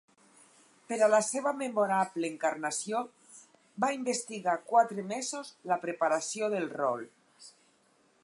Per a la seva memorable encarnació va investigar quatre mesos la preparació del rol.